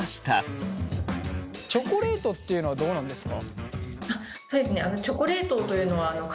チョコレートっていうのはどうなんですか？